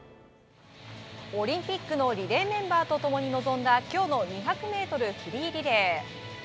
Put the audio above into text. オリンピックのリレーメンバーと共に臨んだ今日の２００ｍフリーリレー。